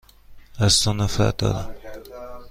از تو نفرت دارم.